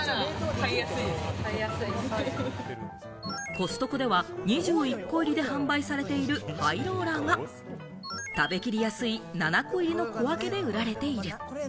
コストコでは２１個入りで販売されているハイローラーが、食べ切りやすい７個入りの小分けで売られている。